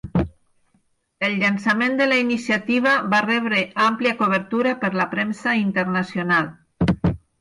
El llançament de la iniciativa va rebre àmplia cobertura per la premsa internacional.